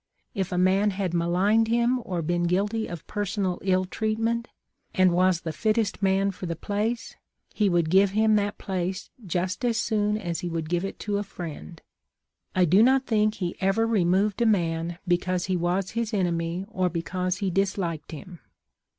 If a man had maligned him or been guilty of per sonal ill treatment, and was the fittest man for the place, he would give him that place just as soon as he would give it to a friend. " I do not think he ever removed a man because he was his enemy or because he disliked him.